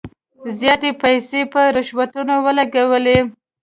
زیاتي پیسې په رشوتونو ولګولې.